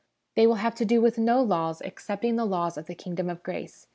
They will have to do with no laws excepting the laws of the kingdom of grace.